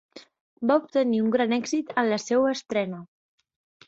Va obtenir un gran èxit en la seua estrena.